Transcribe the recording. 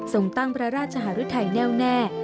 ส่งตั้งพระราชหารุทัยแน่วแน่